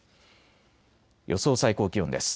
予想最高気温です。